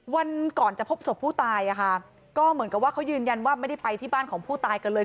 วันก่อนจะพบศพผู้ตายอ่ะค่ะก็เหมือนกับว่าเขายืนยันว่าไม่ได้ไปที่บ้านของผู้ตายกันเลย